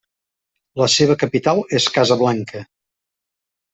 La seva capital és Casablanca.